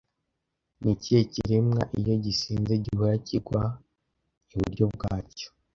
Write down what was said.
Ni ikihe kiremwa, iyo gisinze, gihora kigwa iburyo bwacyo